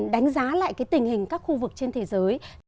đánh giá lại tình hình các khu vực trên thế giới